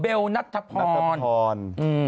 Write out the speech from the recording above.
เบลณัดทะพร